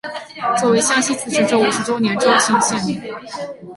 作为湘西自治州五十周年州庆献礼。